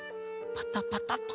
パタパタと。